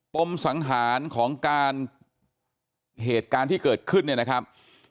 มสังหารของการเหตุการณ์ที่เกิดขึ้นเนี่ยนะครับ